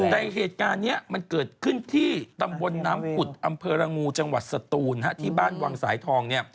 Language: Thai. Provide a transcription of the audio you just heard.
แต่เหตุการณ์นี้มันเกิดขึ้นที่ตำบลน้ำผุดอำเภอระงูจังหวัดสตูนที่บ้านวังสายทองเนี่ย